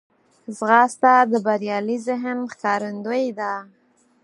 ځغاسته د بریالي ذهن ښکارندوی ده